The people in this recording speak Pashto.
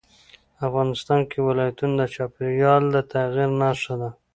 افغانستان کې ولایتونه د چاپېریال د تغیر نښه ده.